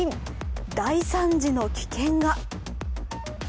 大惨事の危険が。